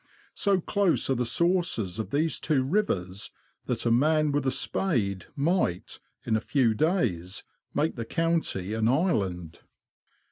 So close are the sources of these two rivers, that a man with a spade might, in a few days, make the county an island